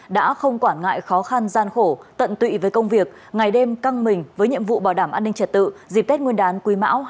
đã không quản ngại khó khăn gian khổ tận tụy với công việc ngày đêm căng mình với nhiệm vụ bảo đảm an ninh trật tự dịp tết nguyên đán quý mão hai nghìn hai mươi